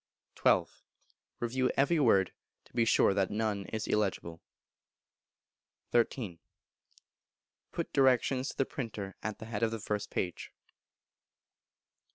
xii. Review every word, to be sure that none is illegible. xiii. Put directions to the printer at the head of the first page.